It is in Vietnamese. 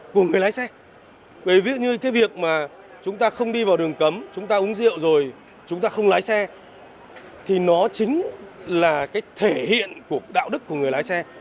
vì người lái xe cái việc mà chúng ta không đi vào đường cấm chúng ta uống rượu rồi chúng ta không lái xe thì nó chính là cái thể hiện của đạo đức của người lái xe